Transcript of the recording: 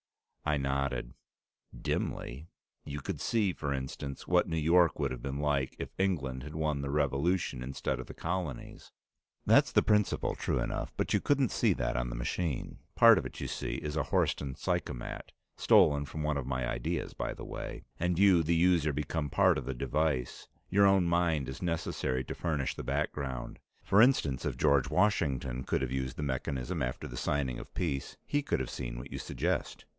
I nodded. "Dimly. You could see, for instance, what New York would have been like if England had won the Revolution instead of the Colonies." "That's the principle, true enough, but you couldn't see that on the machine. Part of it, you see, is a Horsten psychomat (stolen from one of my ideas, by the way) and you, the user, become part of the device. Your own mind is necessary to furnish the background. For instance, if George Washington could have used the mechanism after the signing of peace, he could have seen what you suggest.